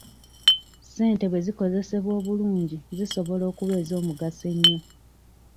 Ssente bwezikozesebwa obulungi zisobola okuba ez'omugaso ennyo.